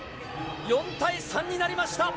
４対３になりました。